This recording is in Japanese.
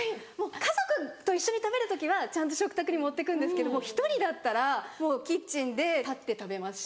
家族と一緒に食べる時はちゃんと食卓に持ってくんですけども１人だったらもうキッチンで立って食べますし。